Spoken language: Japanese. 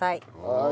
はい。